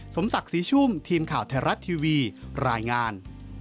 สมศักดิ์ศรีชุ่มทีมข่าวไทยรัฐทีวีรายงาน